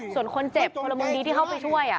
ส่วนคนเจ็บพรมงค์ดีที่เขาไปช่วยอะ